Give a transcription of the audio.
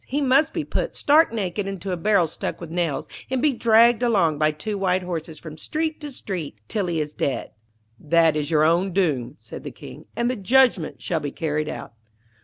He must be put stark naked into a barrel stuck with nails, and be dragged along by two white horses from street to street till he is dead.' 'That is your own doom,' said the King, 'and the judgment shall be carried out.'